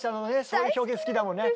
そういう表現好きだもんね。